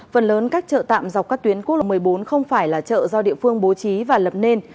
phần lớn các chợ tạm dọc các tuyến quốc lộ một mươi bốn không phải là chợ do địa phương bố trí và lập nên